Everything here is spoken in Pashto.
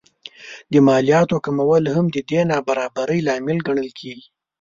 د مالیاتو کمول هم د دې نابرابرۍ لامل ګڼل کېږي